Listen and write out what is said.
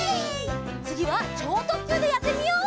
つぎはちょうとっきゅうでやってみよう！